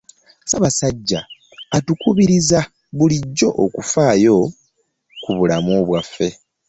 Ssaabasajja atukubiriza bulijjo okufaayo ku bulamu bwaffe.